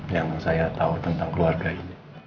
yang saya tahu tentang keluarga ini